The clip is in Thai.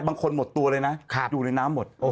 หมดตัวเลยนะอยู่ในน้ำหมด